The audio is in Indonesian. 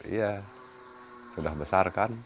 ya sudah besar kan